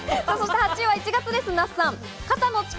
８位は１月、那須さん。